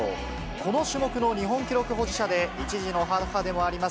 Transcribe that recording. この種目の日本記録保持者で、１児の母でもあります